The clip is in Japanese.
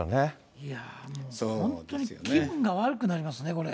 いやもう本当に、気分が悪くなりますね、これ。